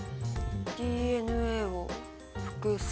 ＤＮＡを複製？